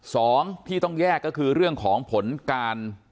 สองที่ต้องแยกก็คือเรื่องของผลการ